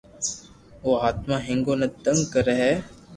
او آتما ھينگون ني تنگ ڪري ھي